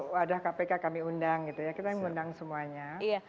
waktu ada kpk kami undang kita yang undang semuanya